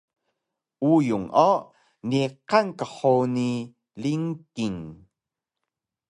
uyung o niqan qhuni lingking